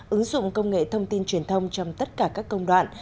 ứng dụng công nghệ thông tin truyền thông trong tất cả các công đoạn